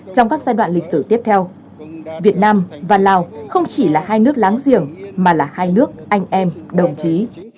trong các giai đoạn lịch sử tiếp theo việt nam và lào không chỉ là hai nước láng giềng mà là hai nước anh em đồng chí